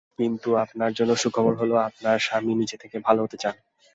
কিন্তু আপনার জন্য সুখবর হলো, আপনার স্বামী নিজ থেকে ভালো হতে চান।